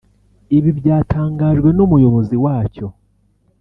Ibi byatangajwe n’Umuyobozi wacyo